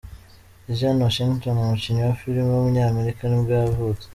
Isaiah Washington, umukinnyi wa film w’umunyamerika nibwo yavutse.